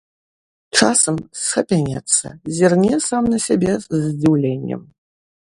Часам схапянецца, зірне сам на сябе з здзіўленнем.